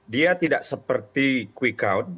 dia tidak seperti quick count